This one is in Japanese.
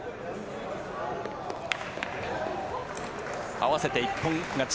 合わせて一本勝ち。